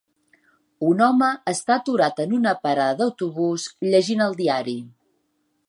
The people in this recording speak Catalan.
Un home està aturat en una parada d'autobús llegint el diari.